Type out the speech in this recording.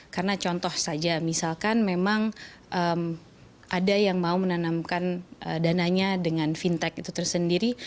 karena contoh saja misalkan memang ada yang mau menanamkan dananya dengan fintech itu sendiri